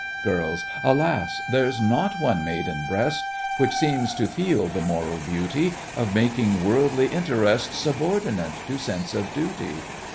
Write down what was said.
GIRLS: Alas! there's not one maiden breast Which seems to feel the moral beauty Of making worldly interest Subordinate to sense of duty!